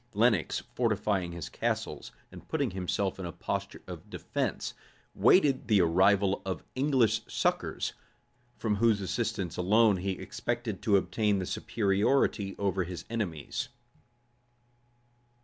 Lenox, fortifying his castles, and putting himself in a posture of defence, waited the arrival of English succors, from whose assistance alone he expected to obtain the superiority over his enemies.